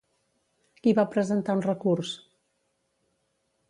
Qui va presentar un recurs?